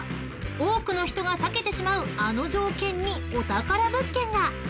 ［多くの人が避けてしまうあの条件にお宝物件が］